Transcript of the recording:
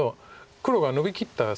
黒がノビきった姿。